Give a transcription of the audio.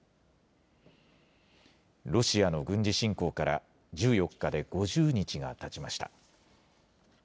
ロシアの軍事侵攻から１４日で５０日がたちました。